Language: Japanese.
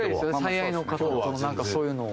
最愛の方とのなんかそういうのを。